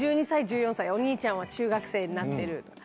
１２歳、１４歳、お兄ちゃんは中学生になってる。